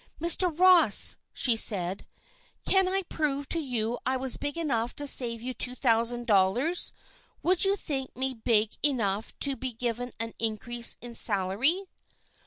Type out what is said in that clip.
"Mr. Ross," she said, "if I can prove to you that I was big enough to save you two thousand dollars, would you think me big enough to be given an increase in salary?"